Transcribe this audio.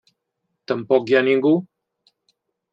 Tampoc hi ha ningú.